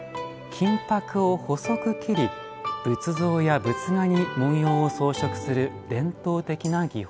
金ぱくを細く切り仏像や仏画に文様を装飾する伝統的な技法です。